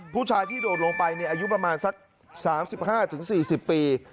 ผู้ชายที่โดดลงไปอายุประมาณสัก๓๕๔๐ปี